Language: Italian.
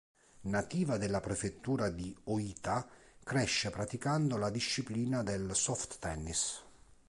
Nativa della prefettura di Ōita, cresce praticando la disciplina del soft tennis.